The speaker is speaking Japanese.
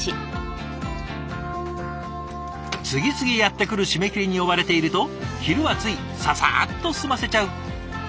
次々やってくる締め切りに追われていると昼はついささっと済ませちゃう。